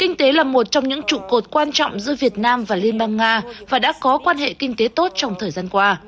kinh tế là một trong những trụ cột quan trọng giữa việt nam và liên bang nga và đã có quan hệ kinh tế tốt trong thời gian qua